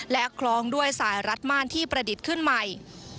และคล้องด้วยสายรัดม่านที่ประดิษฐ์ขึ้นใหม่